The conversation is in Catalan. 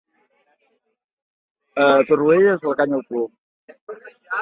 A Torrelles, la canya al cul.